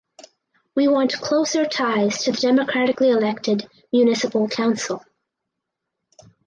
We want closer ties to the democratically elected municipal council.